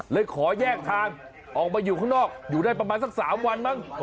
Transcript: เลยขอแยกทางออกมาอยู่ข้างนอกอยู่ได้ประมาณสัก๓วันมั้ง